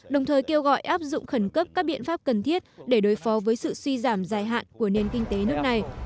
đồng thời kêu gọi áp dụng khẩn cấp các biện pháp cần thiết để đối phó với sự suy giảm dài hạn của nền kinh tế nước này